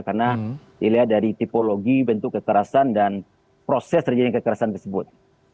karena dilihat dari tipologi bentuk kekerasan dan proses terjadinya kekerasan tersebut